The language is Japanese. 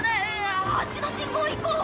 あっちの信号行こう！